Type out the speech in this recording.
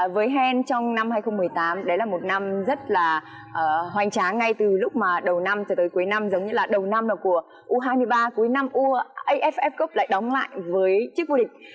với hen trong năm hai nghìn một mươi tám đấy là một năm rất là hoành tráng ngay từ lúc mà đầu năm cho tới cuối năm giống như là đầu năm của u hai mươi ba cuối năm uaff cup lại đóng lại với chiếc vô địch